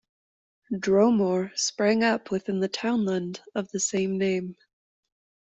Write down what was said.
Dromore sprang up within the townland of the same name.